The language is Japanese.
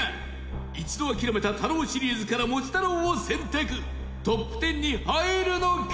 一度、諦めた太郎シリーズから餅太郎を選択トップ１０に入るのか？